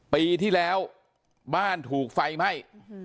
ปีที่แล้วบ้านถูกไฟไหม้